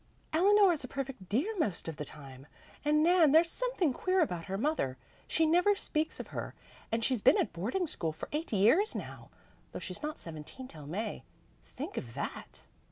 "Eleanor is a perfect dear most of the time. And Nan, there's something queer about her mother. She never speaks of her, and she's been at boarding school for eight years now, though she's not seventeen till May. Think of that!"